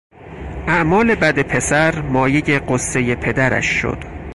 اعمال بد پسر مایهی غصهی پدرش شد.